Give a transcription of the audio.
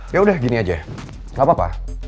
ya udah gini aja gapapa